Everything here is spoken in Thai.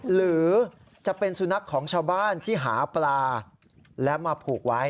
หรือจะเป็นสุนัขของชาวบ้านที่หาปลาแล้วมาผูกไว้